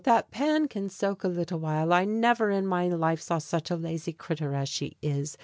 That pan can soak A little while. I never in my life Saw such a lazy critter as she is.